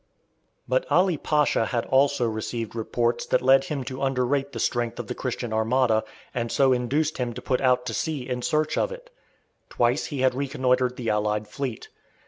But Ali Pasha had also received reports that led him to underrate the strength of the Christian armada, and so induced him to put out to sea in search of it. Twice he had reconnoitred the allied fleet.